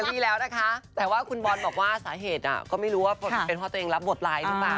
มีแล้วนะคะแต่ว่าคุณบอลบอกว่าสาเหตุก็ไม่รู้ว่าเป็นเพราะตัวเองรับบทไลค์หรือเปล่า